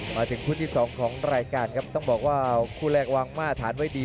มาถึงคู่ที่๒ของรายการครับต้องบอกว่าคู่แรกวางมาตรฐานไว้ดี